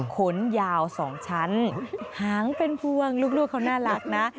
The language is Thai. ขนยาว๒ชั้นหางเป็นพวงลูกเขาน่ารักนะ